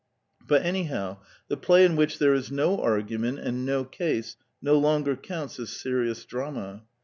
But anyhow the play in which there is no argument and no case no longer counts as serious drama.